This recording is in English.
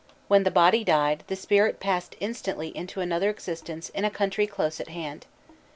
When the body died the spirit passed instantly into another existence in a country close at hand.